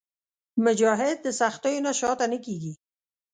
مجاهد د سختیو نه شاته نه کېږي.